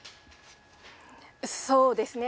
そうですね。